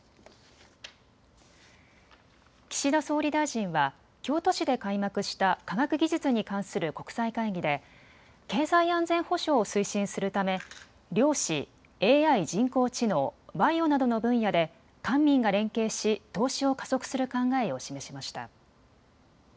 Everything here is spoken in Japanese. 岸田総理大臣は京都市で開幕した科学技術に関する国際会議で経済安全保障を推進するため量子、ＡＩ・人工知能、バイオなどの分野で官民が連携し投資を加速する考えを示しました。